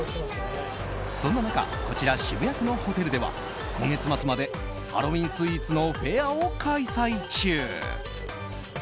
そんな中、こちら渋谷区のホテルでは今月末までハロウィーンスイーツのフェアを開催中。